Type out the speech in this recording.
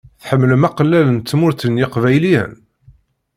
Tḥemmlem aqellal n Tmurt n yeqbayliyen?